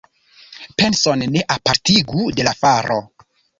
Penson ne apartigu de la faro.